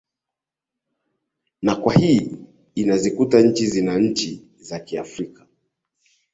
na kwa hii inazikuta nchi zina nchi za kiafrika